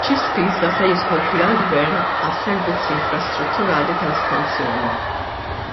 Xi spiża se jidħol fiha l-Gvern għas-servizzi infrastrutturali tal-estensjoni?